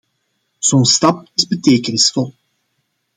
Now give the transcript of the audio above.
Zo'n stap is betekenisvol.